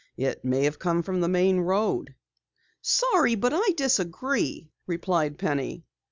It may have come from the main road." "Sorry, but I disagree," replied Penny.